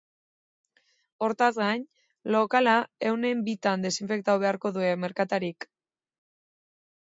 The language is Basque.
Horrez gain, lokala egunean birritan desinfektatu beharko dute merkatariek.